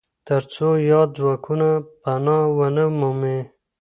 ترڅو ياد ځواکونه پناه و نه مومي.